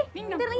tuh pinter nih